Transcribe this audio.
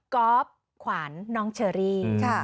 ก๊อฟขวัญน้องเชอรี่